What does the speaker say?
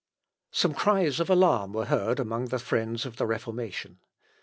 Some cries of alarm were heard among the friends of the Reformation.